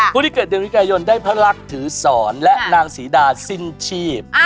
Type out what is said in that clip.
ผู้ที่เกิดเดือนวิกายนได้พระลักษณ์ถือสอนและนางศรีดาสิ้นชีพ